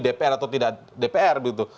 dpr atau tidak dpr begitu